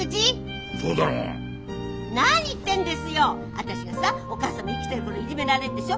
私がさお義母さん生きてる頃いじめられるでしょ？